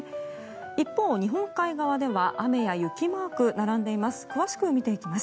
一方、日本海側では雨や雪マーク並んでいます。